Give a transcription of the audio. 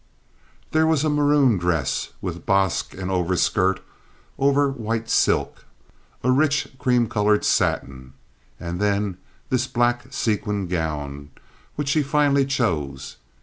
There was a maroon dress, with basque and overskirt over white silk; a rich cream colored satin; and then this black sequined gown, which she finally chose.